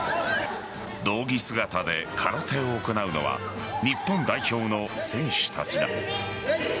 道着姿で空手を行うのは日本代表の選手たちだ。